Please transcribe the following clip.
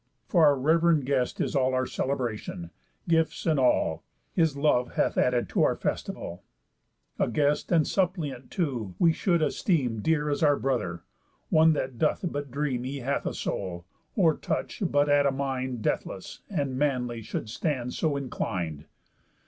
For our rev'rend guest Is all our celebration, gifts, and all, His love hath added to our festival. A guest, and suppliant too, we should esteem Dear as our brother, one that doth but dream He hath a soul, or touch but at a mind Deathless and manly, should stand so inclin'd.